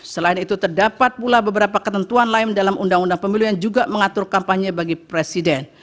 selain itu terdapat pula beberapa ketentuan lain dalam undang undang pemilu yang juga mengatur kampanye bagi presiden